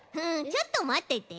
ちょっとまってて。